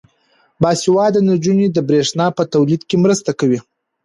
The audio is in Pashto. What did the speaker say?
باسواده نجونې د برښنا په تولید کې مرسته کوي.